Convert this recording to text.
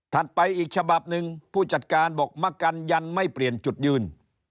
ไปอีกฉบับหนึ่งผู้จัดการบอกมะกันยันไม่เปลี่ยนจุดยืน